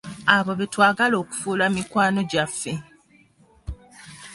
Abo betwagala okufuula mikwano gyaffe.